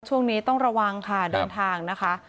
ช่วงนี้ต้องระวังค่ะเดินทางนะคะ